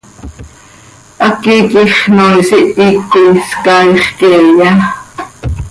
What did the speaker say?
¿Háqui quij xnoois ihic coi scaaix queeya?